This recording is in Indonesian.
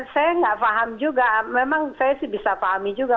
saya nggak paham juga memang saya sih bisa pahami juga